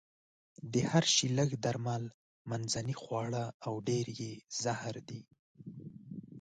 د هر شي لږ درمل، منځنۍ خواړه او ډېر يې زهر دي.